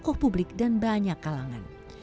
di seluruh publik dan banyak kalangan